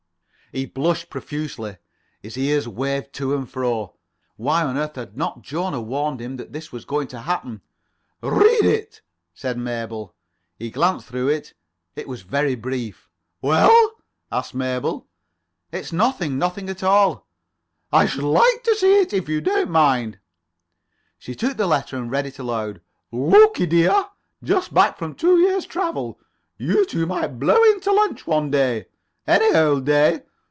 He blushed profusely. His ears waved to and fro. Why on earth had not Jona warned him that this was going to happen? "Read it," said Mabel. He glanced through it. It was very brief. "Well?" asked Mabel. "It's nothing. Nothing at all." "I should like to see it, if you don't mind." She took the letter and read aloud: "Lukie, dear. Just back from two years' travel. You two might blow in to lunch one day. Any old day.